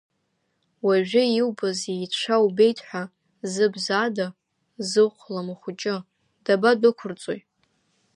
Уажәы иубаз еицәа убеит ҳәа, зыбзада зыхәлам ахәыҷы дабадәықәырҵои?